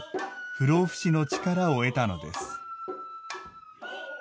不老不死の力を得たのです。